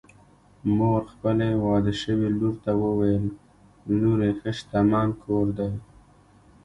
مور خپلې واده شوې لور ته وویل: لورې! ښه شتمن کور دی